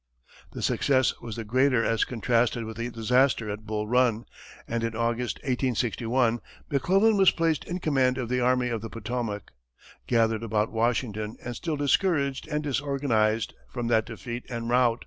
The success was the greater as contrasted with the disaster at Bull Run, and in August, 1861, McClellan was placed in command of the Army of the Potomac, gathered about Washington and still discouraged and disorganized from that defeat and rout.